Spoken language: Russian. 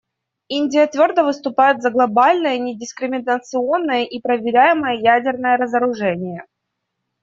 Индия твердо выступает за глобальное недискриминационное и проверяемое ядерное разоружение.